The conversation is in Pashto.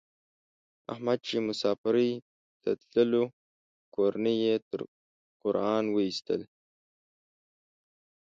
احمد چې مسافرۍ ته تللو کورنۍ یې تر قران و ایستلا.